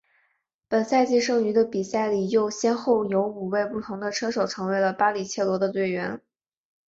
本赛季剩余的比赛里又先后有五位不同的车手成为了巴里切罗的队友。